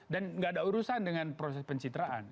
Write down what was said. dan gak ada urusan dengan proses pencitraan